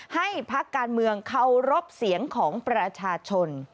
พักการเมืองเคารพเสียงของประชาชน